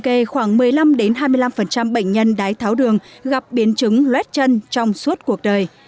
khoảng hai mươi năm bệnh nhân đái tháo đường gặp biến chứng loét chân trong suốt cuộc đời